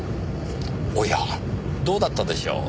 おやどうだったでしょう。